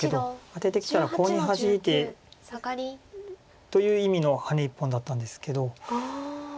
アテてきたらコウにハジいてという意味のハネ１本だったんですけど。